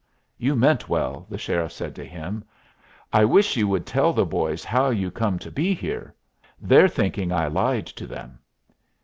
"You meant well," the sheriff said to him. "I wish you would tell the boys how you come to be here. They're thinking I lied to them."